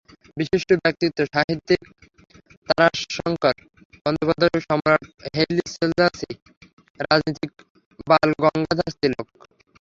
বিশিষ্ট ব্যক্তিত্ব—সাহিত্যিক তারাশঙ্কর বন্দ্যোপাধ্যায়, সম্রাট হেইলি সেলাসি, রাজনীতিক বাল গঙ্গাধর তিলক।